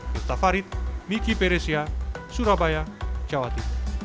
duta farid miki peresia surabaya jawa tenggara